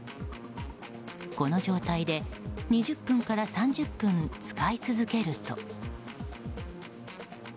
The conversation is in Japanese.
この状態で２０分から３０分使い続けると。